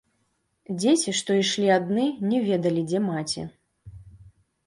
Дзеці, што ішлі адны, не ведалі, дзе маці.